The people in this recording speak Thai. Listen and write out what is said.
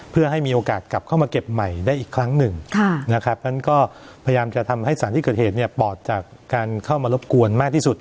เพื่อให้มีโอกาสกลับเข้ามาเก็บใหม่ได้อีกครั้งหนึ่งนะครับงั้นก็พยายามจะทำให้สารที่เกิดเหตุเนี่ยปลอดจากการเข้ามารบกวนมากที่สุด